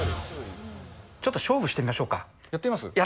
ちょっと勝負してみましょうやってみます？